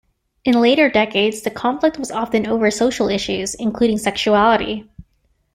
In later decades the conflict was often over social issues, including sexuality.